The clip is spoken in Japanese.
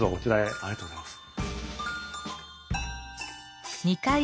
ありがとうございます。